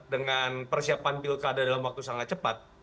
dengan persiapan pilkada dalam waktu sangat cepat